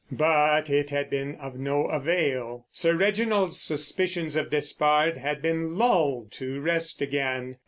But it had been of no avail. Sir Reginald's suspicions of Despard had been lulled to rest again.